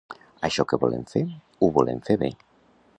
Això que volem fer, ho volem fer bé.